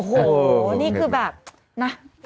โอ้โหนี่คือแบบนะ